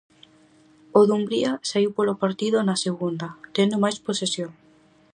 O Dumbría saíu polo partido na segunda, tendo máis posesión.